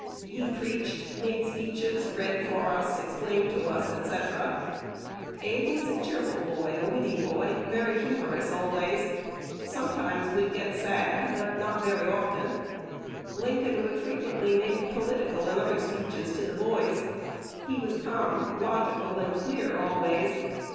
He preached, made speeches, read for us, explained to us, &c.... Abe was a cheerful boy, a witty boy, was humorous always; sometimes would get sad, not very often.... Lincoln would frequently make political and other speeches to the boys: he was calm, logical, and clear always.